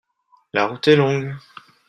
la route est longue.